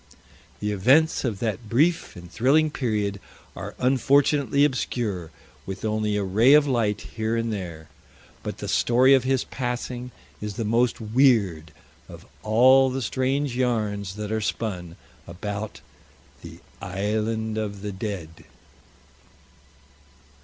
The events of that brief and thrilling period are unfortunately obscure, with only a ray of light here and there. But the story of his passing is the most weird of all the strange yarns that are spun about the "Island of the Dead."